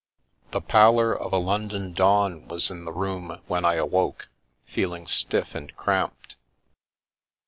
The pallor of a London dawn was in the room when I awoke, feeling stiff and cramped.